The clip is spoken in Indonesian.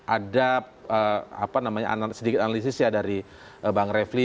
ada sedikit analisis ya dari bang refli